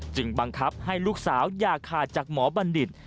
บังคับให้ลูกสาวอย่าขาดจากหมอบัณฑิต